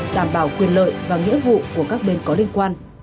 đảm bảo quyền lợi và nghĩa vụ của các bên có liên quan